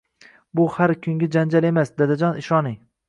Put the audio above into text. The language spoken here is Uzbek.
Bu har kungi janjal emas, dadajon, ishoning